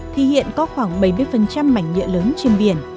thì hiện có khoảng bảy mươi mảnh nhựa lớn trên biển